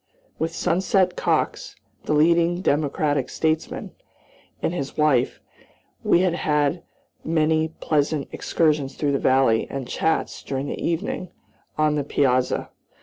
With Sunset Cox, the leading Democratic statesman, and his wife, we had many pleasant excursions through the valley, and chats, during the evening, on the piazza.